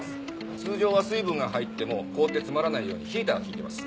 通常は水分が入っても凍って詰まらないようにヒーターが効いてます。